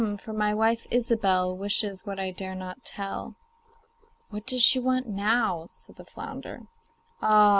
for my wife, Ilsebel, Wishes what I dare not tell.' 'What does she want now?' said the flounder. 'Ah!